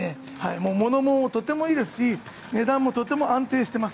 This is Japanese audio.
物もとってもいいですし値段もとても安定しています。